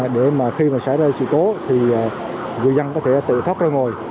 để mà khi mà xảy ra sự cố thì người dân có thể tự thoát ra ngồi